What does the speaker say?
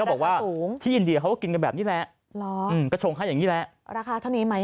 มาเที่ยวซื้อสั่งช็อคโกแลต